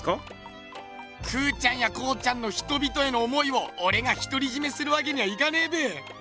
空ちゃんや康ちゃんの人々への思いをおれがひとりじめするわけにはいかねえべ。